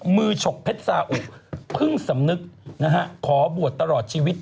มือชกเพชรสาอุพึ่งสำนึกขอบวชตลอดชีวิต